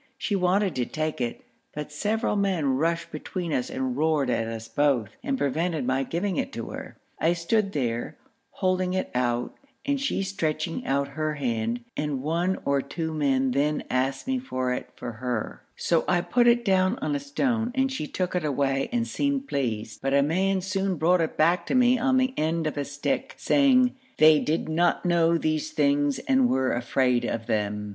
She wanted to take it, but several men rushed between us and roared at us both, and prevented my giving it to her. I stood there holding it out and she stretching out her hand, and one or two men then asked me for it for her, so I put it down on a stone and she took it away and seemed pleased, but a man soon brought it back to me on the end of a stick, saying 'they did not know these things and were afraid of them.'